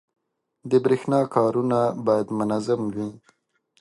• د برېښنا کارونه باید منظم وي.